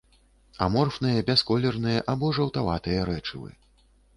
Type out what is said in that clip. Аморфныя бясколерныя або жаўтаватыя рэчывы.